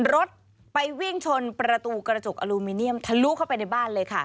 รถไปวิ่งชนประตูกระจกอลูมิเนียมทะลุเข้าไปในบ้านเลยค่ะ